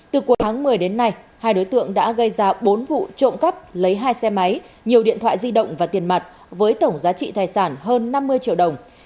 từ cuối tháng một mươi đến nay hai đối tượng đã gây ra bốn vụ trộm cắp lấy hai xe máy nhiều điện thoại di động và tiền mặt với tổng giá trị tài sản hơn năm mươi triệu đồng